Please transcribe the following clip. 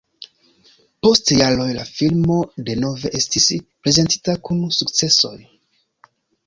Post jaroj la filmo denove estis prezentita kun sukcesoj.